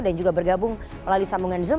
dan juga bergabung melalui sambungan zoom